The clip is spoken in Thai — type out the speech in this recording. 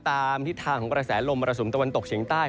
ทิศทางของกระแสลมมรสุมตะวันตกเฉียงใต้